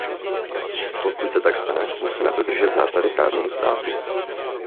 Pokud se tak stane, musíme dodržet zásady právního státu.